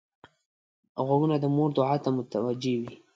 غوږونه د مور دعا ته متوجه وي